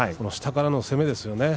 下からの攻めですよね。